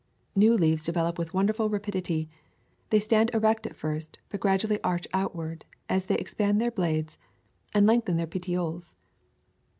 New leaves develop with wonderful rapidity. They stand erect at first, but gradually arch outward as they expand their blades and lengthen their petioles.